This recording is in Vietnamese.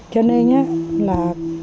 cho nên là